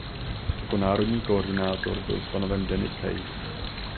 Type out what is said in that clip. Jako národní koordinátor byl stanoven Denis Hayes.